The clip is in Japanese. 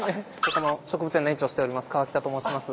ここの植物園の園長をしております川北と申します。